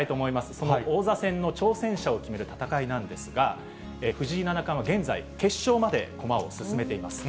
その王座戦の挑戦者を決める戦いなんですが、藤井七冠は現在、決勝まで駒を進めています。